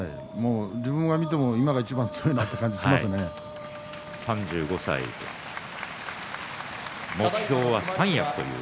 自分が見ても今がいちばん強いという感じが３５歳、目標は三役という。